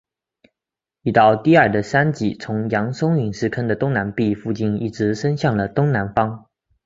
一道低矮的山脊从扬松陨石坑的东南壁附近一直伸向了东南方。